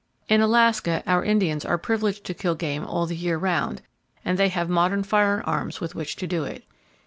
In Alaska our Indians are privileged to kill game all the year round, and they have modern firearms with which to do it.